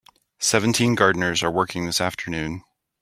Seventeen gardeners are working this afternoon.